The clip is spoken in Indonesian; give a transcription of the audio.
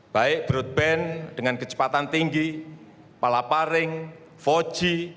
baik broadband dengan kecepatan tinggi palaparing voji